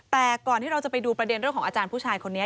แต่ก่อนที่เราจะไปดูประเด็นเรื่องของอาจารย์ผู้ชายคนนี้